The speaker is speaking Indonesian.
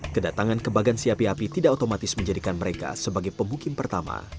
kedatangan ke bagan siapiapi tidak otomatis menjadikan mereka sebagai pemukim pertama